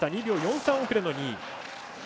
２秒４３遅れの２位。